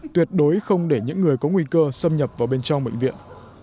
tuyệt đối không để những người có nguy cơ xâm nhập vào bên trong bệnh viện